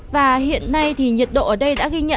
và hiện nay thì nhiệt độ ở đây đã ghi nhận